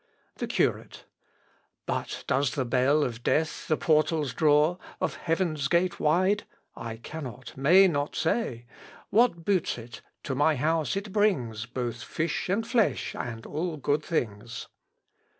THE CURATE. But does the bell of death the portals draw Of heaven's wide gate? I cannot, may not say; What boots it? to my house it brings Both fish and flesh, and all good things.